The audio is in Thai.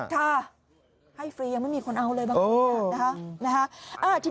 ใช่ให้ฟรียังไม่มีคนเอาเลยบางที